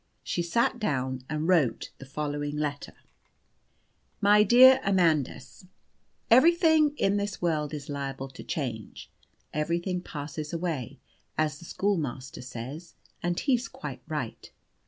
She sat down and wrote the following letter: "MY DEAR AMANDUS, "Everything in this world is liable to change. Everything passes away, as the schoolmaster says, and he's quite right.